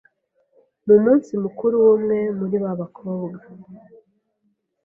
mu munsi mukuru w’ umwe muri ba bakobwa